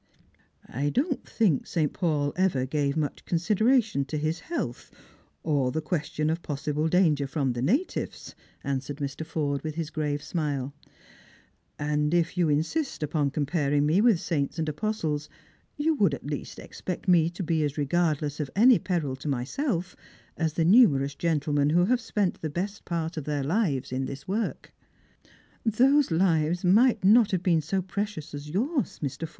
" I don't think St. Paul ever gave much consideration to his health, or the question of possible danEfer from the natives," answered Mr. Forde, with his grave smile; "and if you insist upon comparing me with saints and apostles, you would at least expect me to be as regardless of any peril to myself as the numerous gentlemen who have spent the best part of their hves in this work." " Those lives may not have been so precious as yours, Jlr.